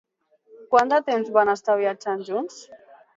Quant de temps van estar viatjant junts?